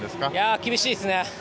厳しいですね。